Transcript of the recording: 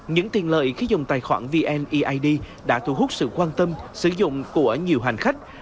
những tiền lợi khi dùng tài khoản vneid đã thu hút sự quan tâm sử dụng của nhiều hành khách